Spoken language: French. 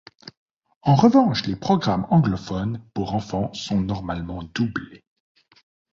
En revanche les programmes anglophones pour enfants sont normalement doublés.